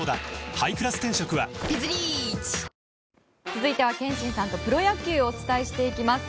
続いては憲伸さんとプロ野球をお伝えしていきます。